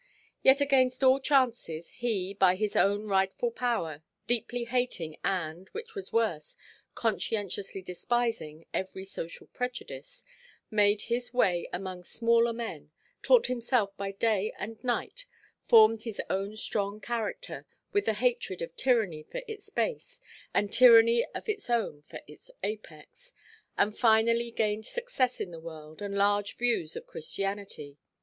Yet against all chances, he, by his own rightful power, deeply hating and (which was worse) conscientiously despising every social prejudice, made his way among smaller men, taught himself by day and night, formed his own strong character, with the hatred of tyranny for its base, and tyranny of his own for its apex; and finally gained success in the world, and large views of Christianity.